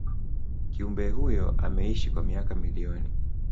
kiumbe huyo ameishi kwa miaka milioni